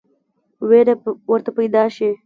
وېره ورته پیدا شي.